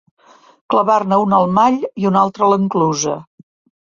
Clavar-ne una al mall i una altra a l'enclusa.